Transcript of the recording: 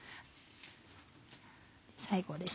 最後です。